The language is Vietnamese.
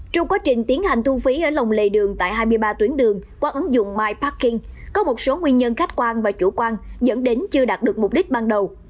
trong quá trình tiến hành thu phí ở lòng lề đường tại hai mươi ba tuyến đường qua ứng dụng myparking có một số nguyên nhân khách quan và chủ quan dẫn đến chưa đạt được mục đích ban đầu